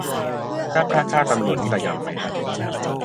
ถ้าพระฆ่าตำรวจนี่ระยำไหมฮะ